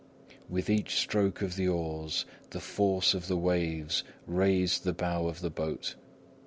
With each stroke of the oars, the force of the waves raised the bow of the boat.